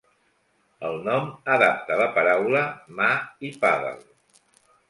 El nom adapta la paraula mà i pàdel.